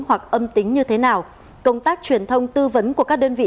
hoặc âm tính như thế nào công tác truyền thông tư vấn của các đơn vị